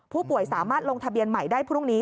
สามารถลงทะเบียนใหม่ได้พรุ่งนี้